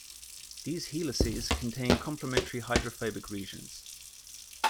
These helices contain complementary hydrophobic regions.